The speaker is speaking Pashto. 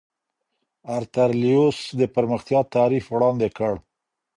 ارتر لیوس د پرمختیا تعریف وړاندې کړ.